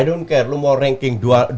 eh gue ga peduli lu mau ranking dua